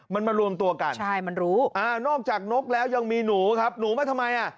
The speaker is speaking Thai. มันมารวมตัวกันนอกจากนกแล้วยังมีหนูครับหนูมาทำไม